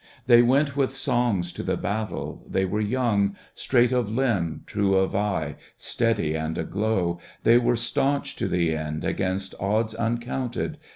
They went with songs to the battle, they were young. Straight of limb, true of eye, steady and aglow. They were staunch to the end against odds uncounted.